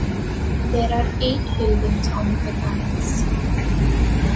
There are eight buildings on the campus.